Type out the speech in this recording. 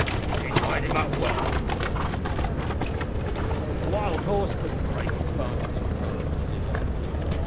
"Have you tied him up well!" he said, turning to Crossby. "A wild horse couldn't break his fastenings," answered the digger.